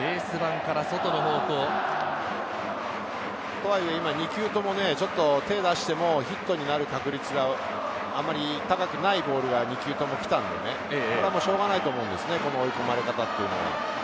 とはいえ今、２球ともちょっと手を出してもヒットになる確率があんまり高くないボールが２球とも来たので、これはしょうがないと思うんですね。